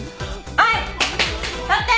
はい！